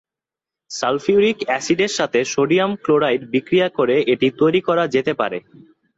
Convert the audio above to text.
Sulphuric অ্যাসিডের সাথে sodium chloride বিক্রিয়া করে এটি তৈরি করা যেতে পারে।